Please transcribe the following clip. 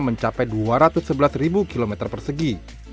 mencapai dua ratus sebelas km persegi